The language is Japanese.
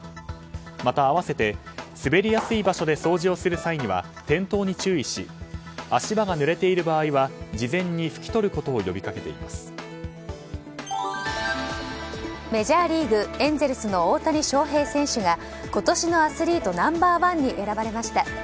また、併せて滑りやすい場所で掃除をする際には転倒に注意し足場がぬれている場合は事前にふき取ることをメジャーリーグエンゼルスの大谷翔平選手が今年のアスリートナンバー１に選ばれました。